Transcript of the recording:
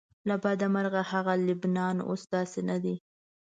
له بده مرغه هغه لبنان اوس داسې نه دی.